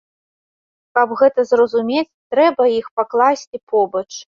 Каб гэта зразумець, трэба іх пакласці побач.